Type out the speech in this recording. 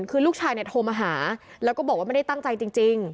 คือลูกชายเนี่ยโทรมาหาแล้วก็บอกว่าไม่ได้ตั้งใจจริง